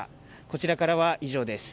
こちらからは以上です。